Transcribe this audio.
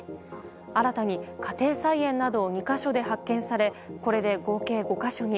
新たに家庭菜園など２か所で発見されこれで合計５か所に。